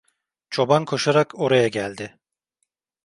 Çoban koşarak oraya geldi.